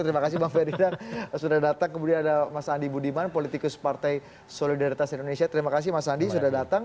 terima kasih bang ferdinand sudah datang kemudian ada mas andi budiman politikus partai solidaritas indonesia terima kasih mas andi sudah datang